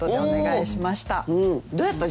どうやった？